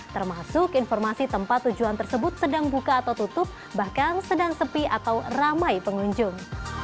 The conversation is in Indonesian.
termasuk informasi tempat tujuan tersebut sedang buka atau tutup bahkan sedang sepi atau ramai pengunjung